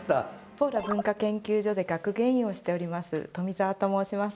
ポーラ文化研究所で学芸員をしております富澤と申します。